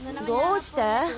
どうして？